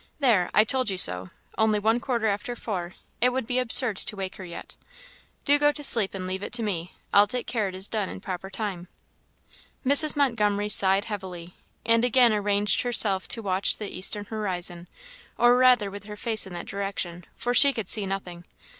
"There! I told you so only one quarter after four; it would be absurd to wake her yet. Do go to sleep, and leave it to me; I'll take care it is done in proper time." Mrs. Montgomery sighed heavily, and again arranged herself to watch the eastern horizon, or rather with her face in that direction; for she could see nothing.